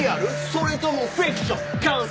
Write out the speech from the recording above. それともフィクション？」